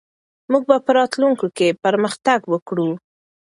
موږ به په راتلونکي کې پرمختګ وکړو.